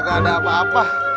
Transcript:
gak ada apa apa